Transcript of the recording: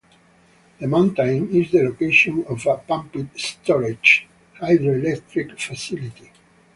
The mountain is the location of a pumped storage hydroelectric facility.